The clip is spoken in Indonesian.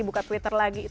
buka twitter lagi